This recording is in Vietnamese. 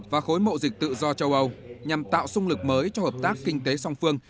và khối mộ dịch tự do châu âu nhằm tạo sung lực mới cho hợp tác kinh tế song phương